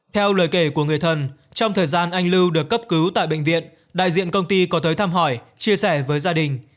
theo lời kể của người thân trong thời gian anh lưu được cấp cứu tại bệnh viện đại diện công ty có tới thăm hỏi chia sẻ với gia đình